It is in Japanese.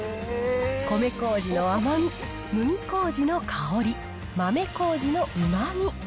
米こうじの甘み、麦こうじの香り、豆こうじのうまみ。